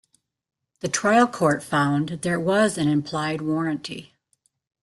The trial court found that there was an implied warranty.